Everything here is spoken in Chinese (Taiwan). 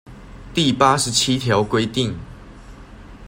第八十七條規定